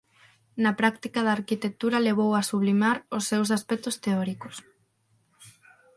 Na práctica da arquitectura levou a sublimar os seus aspectos teóricos.